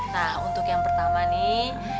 nah untuk yang pertama nih